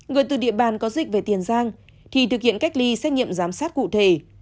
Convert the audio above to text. người từ địa bàn có dịch về tiền giang thì thực hiện cách ly xét nghiệm giám sát cụ thể